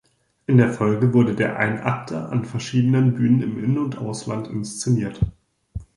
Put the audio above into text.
In der Folge wurde der Einakter an verschiedenen Bühnen im In- und Ausland inszeniert.